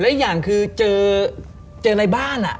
และอีกอย่างคือเจอในบ้าน